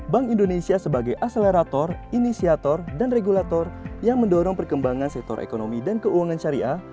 bank indonesia sebagai akselerator inisiator dan regulator yang mendorong perkembangan sektor ekonomi dan keuangan syariah